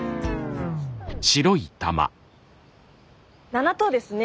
７等ですね。